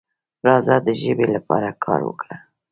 راځه د ژبې لپاره کار وکړو.